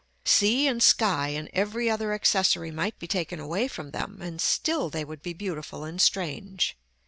Sea and sky, and every other accessory might be taken away from them, and still they would be beautiful and strange.